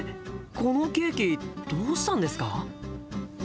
このケーキどうしたんですか？